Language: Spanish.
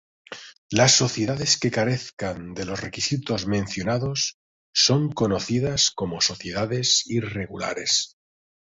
Las sociedades que carezcan de los requisitos mencionados son conocidas como sociedades irregulares.